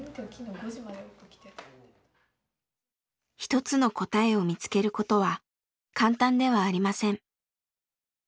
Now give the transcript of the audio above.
一つの答えを見つけることは簡単ではありません。